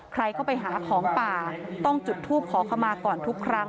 ใครเข้าไปหาของป่าต้องจุดทูปขอเข้ามาก่อนทุกครั้ง